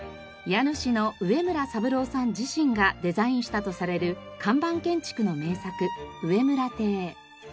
家主の植村三郎さん自身がデザインしたとされる看板建築の名作植村邸。